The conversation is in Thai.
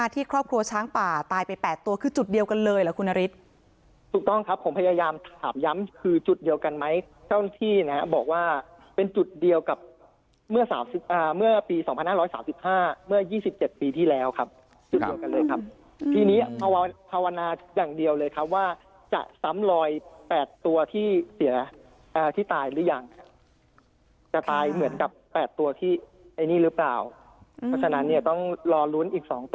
ที่ครอบครัวช้างป่าตายไป๘ตัวคือจุดเดียวกันเลยเหรอครูนอริส